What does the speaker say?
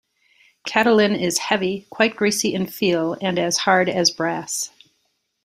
Catalin is heavy, quite greasy in feel, and as hard as brass.